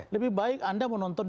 lebih baik anda menonton